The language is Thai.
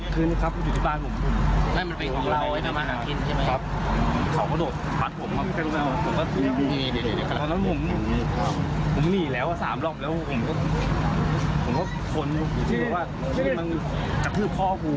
ผมก็ขนอยู่ที่ว่ามึงกระทืบพ่อกู